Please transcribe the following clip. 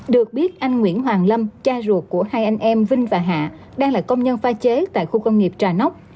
được biết anh nguyễn hoàng lâm cha ruột của hai anh em vinh và hạ đang là công nhân pha chế tại khu công nghiệp trà nóc